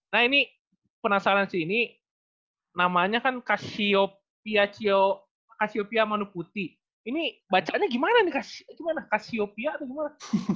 nah ini penasaran sih ini namanya kan kasiopia manuputi ini bacanya gimana nih gimana kasiopia atau gimana